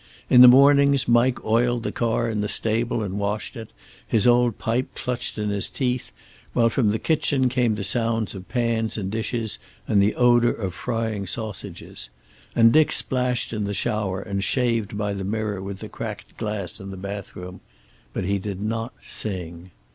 In the mornings Mike oiled the car in the stable and washed it, his old pipe clutched in his teeth, while from the kitchen came the sounds of pans and dishes, and the odor of frying sausages. And Dick splashed in the shower, and shaved by the mirror with the cracked glass in the bathroom. But he did not sing.